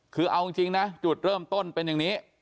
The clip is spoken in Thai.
คือเอาจริงนะจุดเริ่มต้นเป็นอย่างนี้